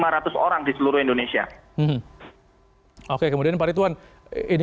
barang barang seluruh atau sp varitway leute tiga ratus lima puluh lima